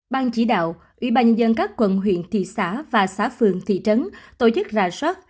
ban chỉ đạo ủy ban nhân các quận huyện thị xã và xã phường thị trấn tổ chức rà soát